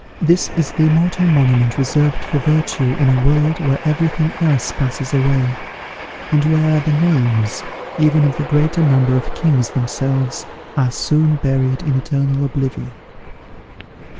This is the immortal monument reserved for virtue in a world where every thing else passes away, and where the names, even of the greater number of kings themselves, are soon buried in eternal oblivion.